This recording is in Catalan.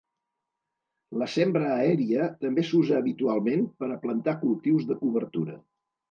La sembra aèria també s'usa habitualment per a plantar cultius de cobertura.